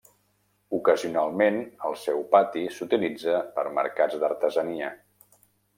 Ocasionalment el seu pati s'utilitza per mercats d'artesania.